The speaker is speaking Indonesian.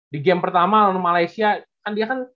di game pertama malaysia